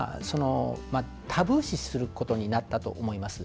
タブー視することになったと思います。